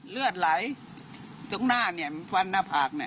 เลือดไหลตรงหน้าเนี่ยฟันหน้าผากเนี่ย